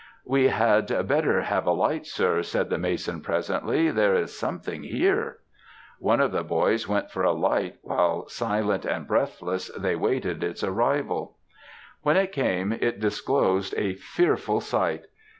"'We had better have a light, sir,' said the mason presently, 'There is something here ' "One of the boys went for a light, while silent and breathless they waited its arrival. "When it came it disclosed a fearful sight.